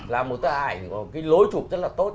là một cái ảnh lối chụp rất là tốt